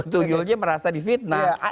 tuyulnya merasa di fitnah